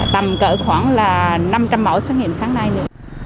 tầm cỡ khoảng năm trăm linh mẫu xét nghiệm sáng nay nữa